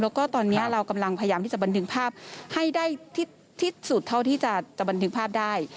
แล้วก็ตอนนี้เรากำลังพยายามที่จะบันทึกภาพให้ได้ที่สุดเท่าที่จะบันทึกภาพได้